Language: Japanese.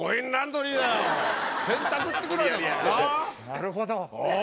なるほど。